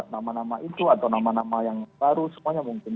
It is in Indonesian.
nama nama itu atau nama nama yang baru semuanya mungkin